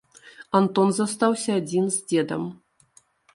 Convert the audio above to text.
Антон застаўся адзін з дзедам.